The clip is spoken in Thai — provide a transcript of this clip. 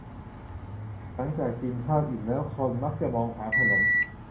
หลังจากกินข้าวอิ่มแล้ว คนมักจะมองหาขนม